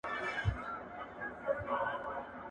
په «اشتراکي» هېوادونو کي ښځو